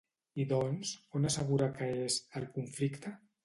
I doncs, on assegura que és, el conflicte?